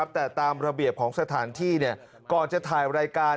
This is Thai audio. แต่ตามระเบียบของสถานที่ก่อนจะถ่ายรายการ